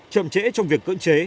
chậm trễ trong việc cưỡng chế